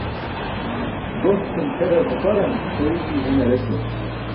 Goṣ cum tʰerar nuparan ho iti hinar eso.